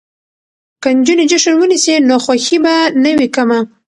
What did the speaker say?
که نجونې جشن ونیسي نو خوښي به نه وي کمه.